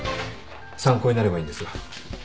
参考になればいいんですが。